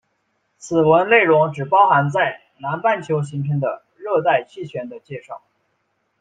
此文内容只包含在南半球形成的热带气旋的介绍。